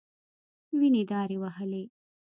وينې دارې وهلې.